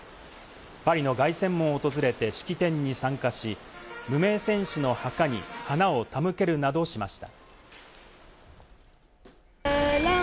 パリの凱旋門を訪れて式典に参加し、無名戦士の墓に花を手向けるなどしました。